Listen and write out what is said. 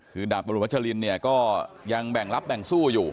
คือดาบบรุณพจรินเนี่ยก็ยังแบ่งรับแบ่งสู้อยู่